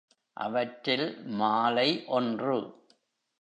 அவற்றில் மாலை ஒன்று.